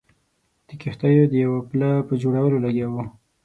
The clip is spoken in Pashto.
د کښتیو د یوه پله په جوړولو لګیا وو.